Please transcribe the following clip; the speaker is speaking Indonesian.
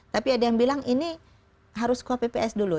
tapi ada yang bilang ini harus kuap ppas dulu